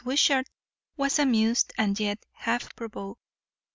Wishart was amused and yet half provoked.